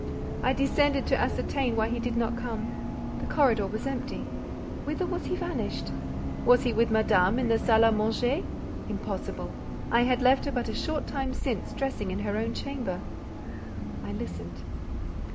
I descended to ascertain why he did not come. The corridor was empty. Whither was he vanished? Was he with Madame in the salle à manger? Impossible: I had left her but a short time since, dressing in her own chamber. I listened.